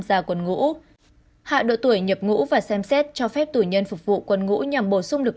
gia quân ngũ hạ độ tuổi nhập ngũ và xem xét cho phép tù nhân phục vụ quân ngũ nhằm bổ sung lực